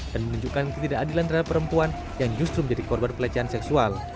dan menunjukkan ketidakadilan terhadap perempuan yang justru menjadi korban pelecehan seksual